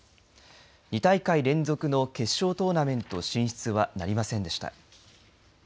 ２大会連続の決勝トーナメント進出はなりませんでした。